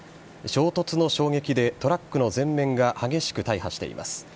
衝突の衝撃でトラックの前面が激しく大破しています。